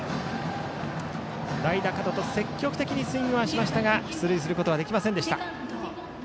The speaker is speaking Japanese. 代打、角戸積極的にスイングしましたが出塁することはできませんでした。